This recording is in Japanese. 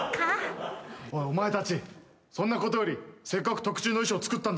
おいお前たちそんなことよりせっかく特注の衣装作ったんだ。